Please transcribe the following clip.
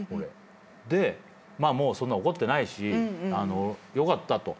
で「もうそんな怒ってないしよかった」と。